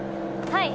はい。